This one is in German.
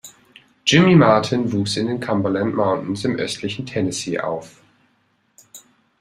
Jimmy Martin wuchs in den Cumberland Mountains im östlichen Tennessee auf.